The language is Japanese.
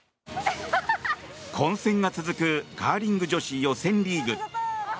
混戦が続くカーリング女子予選リーグ。